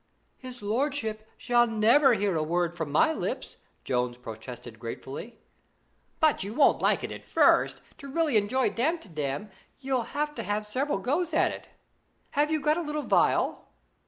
'His lordship shall never hear a word from my lips,' Jones protested gratefully. 'But you won't like it at first. To really enjoy Damtidam, you'll have to have several goes at it. Have you got a little phial?'